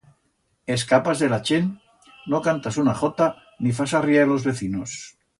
Escapas de la chent, no cantas una jota, ni fas arrier a los vecinos.